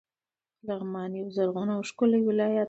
لغمان یو زرغون او ښکلی ولایت ده.